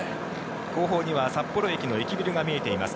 後方には札幌駅の駅ビルが見えています。